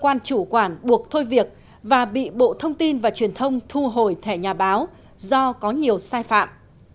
cơ quan chủ quản buộc thôi việc và bị bộ thông tin và truyền thông thu hồi thẻ nhà báo do có nhiều sai phạm